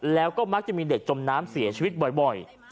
แล้วก็มักจะมีเด็กจมน้ำเสียชีวิตบ่อย